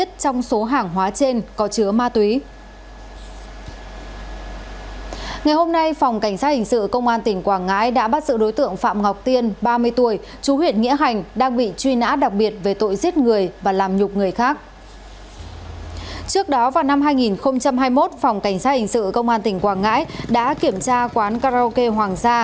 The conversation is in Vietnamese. phòng cảnh sát hình sự công an tỉnh quảng ngãi đã kiểm tra quán karaoke hoàng gia